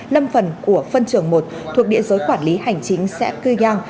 lâm phần của phân trường một thuộc địa giới quản lý hành chính xã cư giang